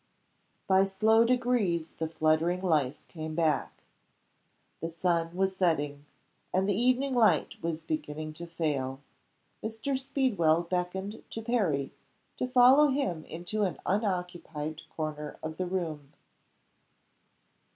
By slow degrees the fluttering life came back. The sun was setting; and the evening light was beginning to fail. Mr. Speedwell beckoned to Perry to follow him into an unoccupied corner of the room.